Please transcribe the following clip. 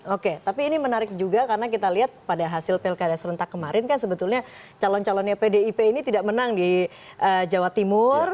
oke tapi ini menarik juga karena kita lihat pada hasil pilkada serentak kemarin kan sebetulnya calon calonnya pdip ini tidak menang di jawa timur